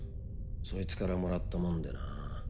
そいつからもらったもんでな